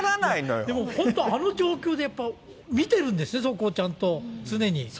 本当、あの状況で見てるんですね、そこをちゃんと、常に。